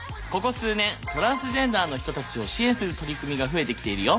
トランスジェンダーの人たちを支援する取り組みが増えてきているよ。